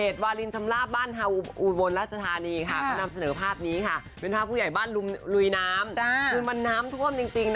ใช่นักร้องชื่อดัง